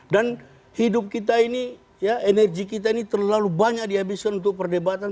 dan hidup kita ini ya energi kita ini terlalu banyak dihabiskan untuk perdebatan